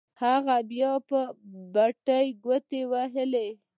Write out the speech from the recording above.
هغه بيا پر بټنو گوټې ووهلې.